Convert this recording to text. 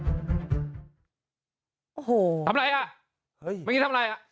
โอ้โหทำอะไรอ่ะเฮ้ยเมื่อกี้ทำอะไรอ่ะ